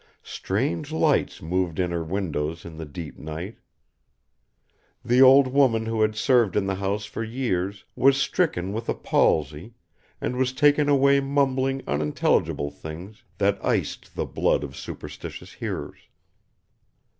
Strange lights moved in her windows in the deep night. The old woman who had served in the house for years was stricken with a palsy and was taken away mumbling unintelligible things that iced the blood of superstitious hearers.